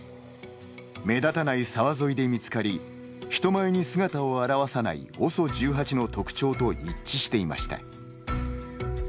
目立たない沢沿いで見つかり人前に姿を現わさないＯＳＯ１８の特徴と一致していました。